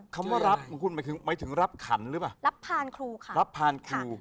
คำว่ารับของคุณหมายถึงหมายถึงรับขันหรือเปล่ารับพานครูค่ะรับพานครู